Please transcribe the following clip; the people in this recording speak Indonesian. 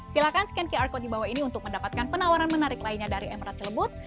silakan scan qr code di bawah ini untuk mendapatkan penawaran menarik lainnya dari emerald celebut